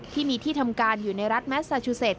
ที่มีที่ทำการอยู่ในรัฐแมสซาชูเซต